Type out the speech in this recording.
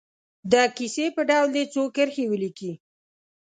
د کیسې په ډول دې څو کرښې ولیکي.